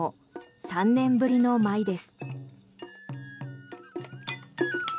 ３年ぶりの舞です。